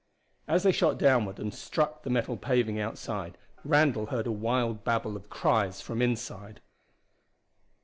As they shot downward and struck the metal paving outside, Randall heard a wild babble of cries from inside.